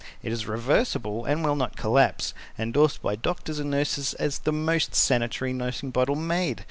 It is reversible and will not collapse. Endorsed by doctors and nurses as the most sanitary nursing bottle made.